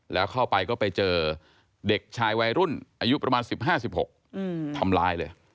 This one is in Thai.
แล้วเข้าไปก็ไปเจอเด็กชายวัยรุ่นอายุประมาณ๑๕๑๖ทำร้ายเลย